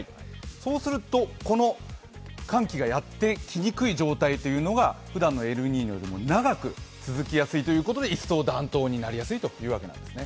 そうすると、この寒気がやってきにくい状況というのはふだんのエルニーニョよりも長く続きやすいということで、いっそう暖冬になりやすいというわけなんです